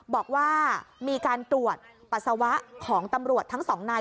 บอกว่ามีการตรวจปัสสาวะของตำรวจทั้งสองนาย